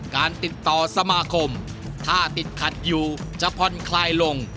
การติดต่อสมาคมถ้าติดขัดอยู่จะผ่อนคลายลง